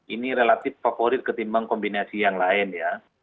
ini relatif favorit ketimbang kombinasi yang lain ya